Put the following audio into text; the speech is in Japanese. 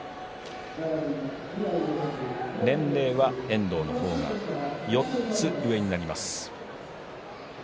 年齢は遠藤の方が４つ上になります。